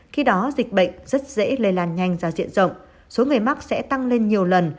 khi đó dịch bệnh rất dễ lây lan nhanh ra diện rộng số người mắc sẽ tăng lên nhiều lần